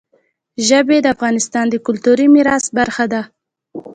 ژبې د افغانستان د کلتوري میراث برخه ده.